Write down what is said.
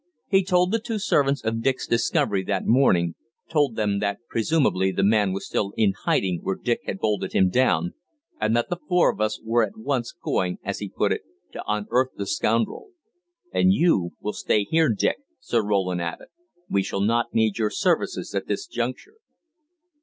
He told the two servants of Dick's discovery that morning, told them that presumably the man was still in hiding where Dick had bolted him down, and that the four of us were at once going, as he put it, "to unearth the scoundrel." "And you will stay here, Dick," Sir Roland added. "We shall not need your services at this juncture."